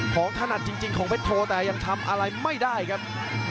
ถนัดจริงของเพชรโทแต่ยังทำอะไรไม่ได้ครับ